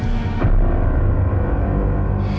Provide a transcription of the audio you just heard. ini dia kan